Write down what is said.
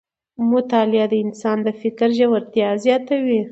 مطالعه د انسان د فکر ژورتیا زیاتوي